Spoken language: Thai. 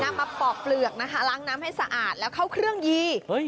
มาปอกเปลือกนะคะล้างน้ำให้สะอาดแล้วเข้าเครื่องยี